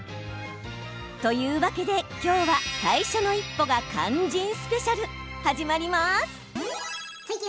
というわけで、今日は最初の一歩が肝心スペシャル始まります。